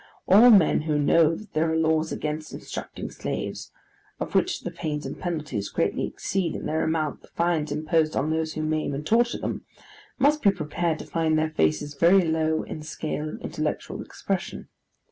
All men who know that there are laws against instructing slaves, of which the pains and penalties greatly exceed in their amount the fines imposed on those who maim and torture them, must be prepared to find their faces very low in the scale of intellectual expression.